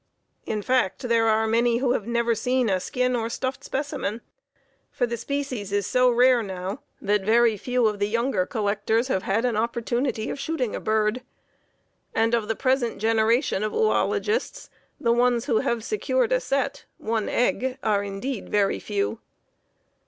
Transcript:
In fact, there are many who have never seen a skin or stuffed specimen, for the species is so rare now that very few of the younger collectors have had an opportunity of shooting a bird. And of the present generation of oölogists, the ones who have secured a set (one egg) are indeed very few.